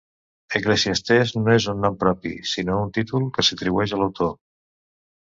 Eclesiastès no és un nom propi, sinó un títol que s'atribueix l'autor.